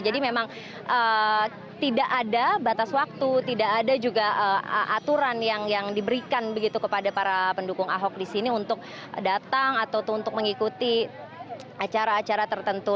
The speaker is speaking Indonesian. jadi memang tidak ada batas waktu tidak ada juga aturan yang diberikan begitu kepada para pendukung ahok di sini untuk datang atau untuk mengikuti acara acara tertentu